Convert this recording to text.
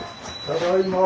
ただいま。